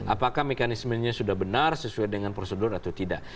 apakah mekanismenya sudah benar sesuai dengan prosedur atau tidak